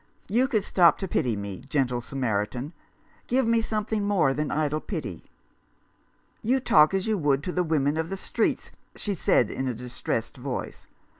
You could stop to pity me, gentle Samaritan. Give me something more than idle pity." "You talk as you would to the women of the streets," she said in a distressed voice.